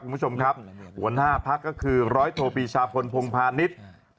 คุณผู้ชมครับหัวหน้าพักษมณ์ก็คือรโทปีชาพลพงภานิษฐ์